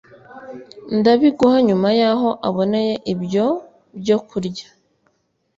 ndabiguha Nyuma yaho aboneye ibyo byokurya